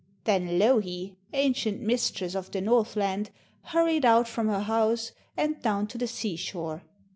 Then Louhi, ancient mistress of the Northland, hurried out from her house and down to the seashore.